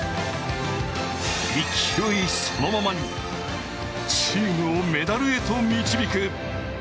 勢いそのままにチームをメダルへと導く。